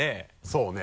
そうね。